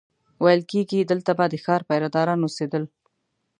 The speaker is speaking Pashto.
ویل کېږي دلته به د ښار پیره داران اوسېدل.